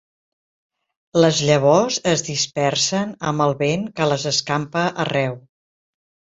Les llavors es dispersen amb el vent que les escampa arreu.